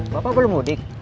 bapak belum mudik